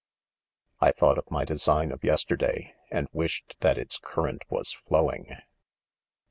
I thought of my design of yesterday, and wished that its current was flowing.